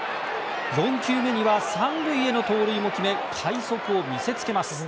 ４球目には３塁への盗塁を決め快足を見せつけます。